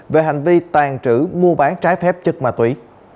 về hành vi tàn trữ mua bán trái phép chất ma túy